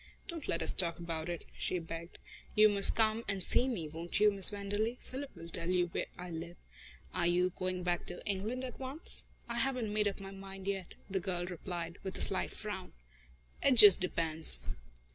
"Don't let us talk about it," she begged. "You must come and see me, won't you, Miss Wenderley? Philip will tell you where I live. Are you going back to England at once?" "I haven't made up my mind yet," the girl replied, with a slight frown. "It just depends."